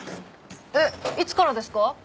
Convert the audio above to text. えっいつからですか？